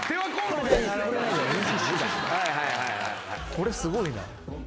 これすごいな。